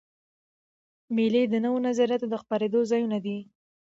مېلې د نوو نظریاتو د خپرېدو ځایونه دي.